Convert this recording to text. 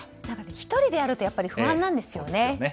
１人でやると不安なんですよね。